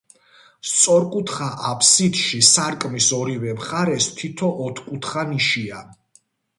სწორკუთხა აფსიდში, სარკმლის ორივე მხარეს თითო ოთხკუთხა ნიშია.